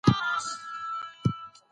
افغانستان له وادي ډک دی.